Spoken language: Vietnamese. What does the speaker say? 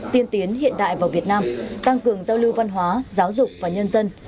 tiên tiến hiện đại vào việt nam tăng cường giao lưu văn hóa giáo dục và nhân dân